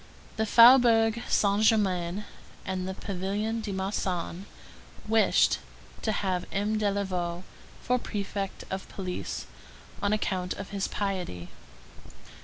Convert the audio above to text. The Faubourg Saint Germain and the pavilion de Marsan wished to have M. Delaveau for prefect of police, on account of his piety.